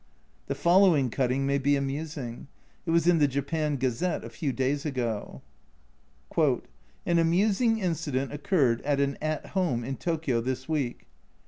The following cutting may be amusing ; it was in the Japan Gazette a few days ago : An amusing incident occurred at an " At home " in Tokyo this week.